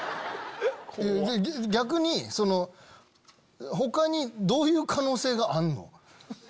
逆に他にどういう可能性があんの？